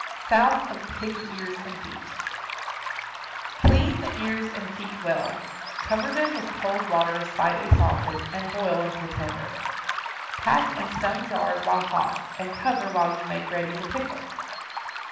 SOUSE OF PIGS' EARS AND FEET. Clean the ears and feet well; cover them with cold water slightly salted, and boil until tender. Pack in stone jars while hot, and cover while you make ready the pickle.